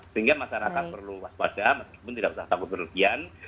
sehingga masyarakat perlu waspada meskipun tidak usah takut berlebihan